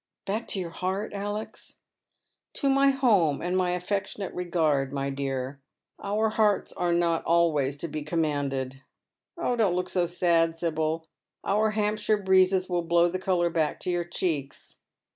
" Back to your heart, Alex ?"" To my home and my affectionate regard, my dear. Our hearts are not always to be commanded. Don't look so sad, Sibyl, our Hampshire breezes will blow the colour back to your cheeks."